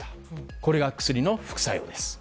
これが薬の副作用です。